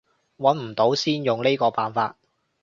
揾唔到先用呢個辦法